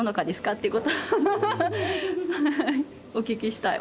っていうことをお聞きしたい。